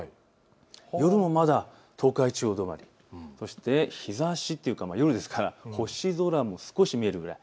夜もまだ東海地方止まり、そして、夜ですから星空も少し見えるぐらい。